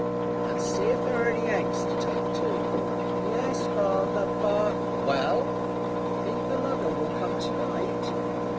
"And see if there's any eggs to take too." "Yes, father. But " "Well?" "Think the lugger will come to night?"